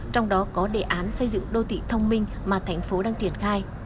trong đó có đề án xây dựng đô thị thông minh mà tp hcm đang triển khai